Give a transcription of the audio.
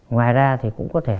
ngoài ra thì cũng có thể